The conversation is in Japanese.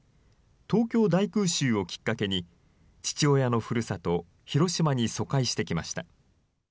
東京大空襲をきっかけに父親のふるさと、広島に疎開してきました。